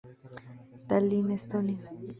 Tallinn, Estonia.